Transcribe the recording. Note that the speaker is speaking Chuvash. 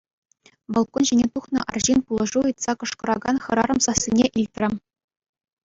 Балкон ҫине тухнӑ арҫын пулӑшу ыйтса кӑшкӑракан хӗрарӑм сассине илтрӗ.